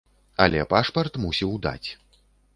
Але пашпарт мусіў даць.